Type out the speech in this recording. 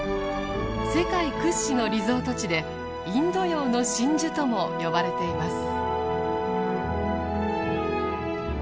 世界屈指のリゾート地で「インド洋の真珠」とも呼ばれています。